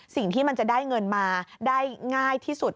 สิ่งที่มันจะได้เงินมาได้ง่ายที่สุด